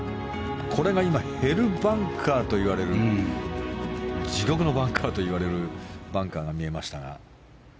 ヘルバンカーといわれる地獄のバンカーといわれるバンカーが見えましたが。